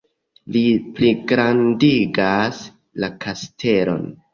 Li pligrandigas la kastelon.